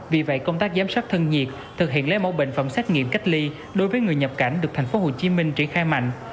vì vậy công tác giám sát thân nhiệt thực hiện lấy mẫu bệnh phẩm xét nghiệm cách ly đối với người nhập cảnh được tp hcm triển khai mạnh